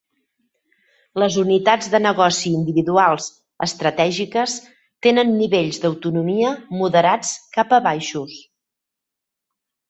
Les unitats de negoci individuals estratègiques tenen nivells d'autonomia moderats cap a baixos.